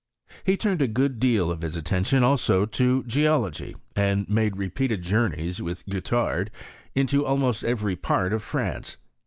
He turned a good deal of his attention also to ffcology, and made repeated journeys with Guettard into idmost every part of France.